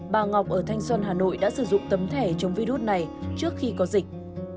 bà ngọc ở thanh xuân hà nội đã sử dụng tấm thẻ chống virus này trước khi có dịch